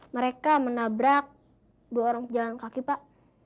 mereka menabrak dua orang pejalan kaki pak